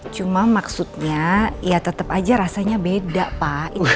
cuma maksudnya ya tetap aja rasanya beda pak